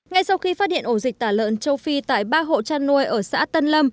ngay sau khi phát hiện ổ dịch tả lợn châu phi tại ba hộ chăn nuôi ở xã tân lâm